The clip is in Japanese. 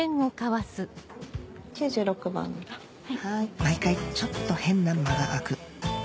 毎回ちょっと変な間が空く